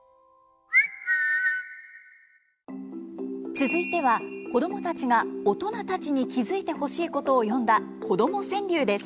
続いては子どもたちが大人たちに気付いてほしいことを詠んだ子ども川柳です。